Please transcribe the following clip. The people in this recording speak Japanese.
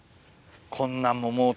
こんなんももう。